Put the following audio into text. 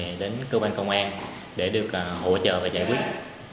thì đến cơ quan công an để được hỗ trợ và giải quyết